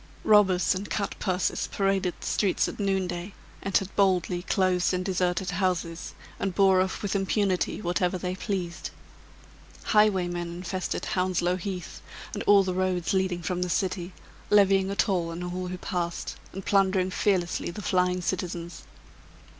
Robbers and cut purses paraded the streets at noonday, entered boldly closed and deserted houses, and bore off with impunity, whatever they pleased. Highwaymen infested Hounslow Heath, and all the roads leading from the city, levying a toll on all who passed, and plundering fearlessly the flying citizens.